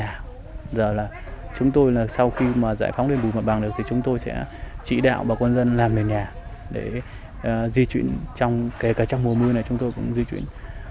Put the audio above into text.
bây giờ là chúng tôi là sau khi mà giải phóng lên bùi mặt bằng được thì chúng tôi sẽ chỉ đạo bà con dân làm nền nhà để di chuyển kể cả trong mùa mưa này chúng tôi cũng di chuyển